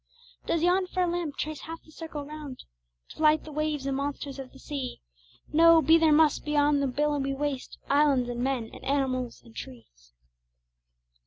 Does yon fair lamp trace half the circle round To light the waves and monsters of the seas? No be there must beyond the billowy waste Islands, and men, and animals, and trees.